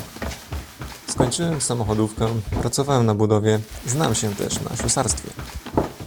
Skończyłem samochodówkę, pracowałem na budowie, znam się też na ślusarstwie.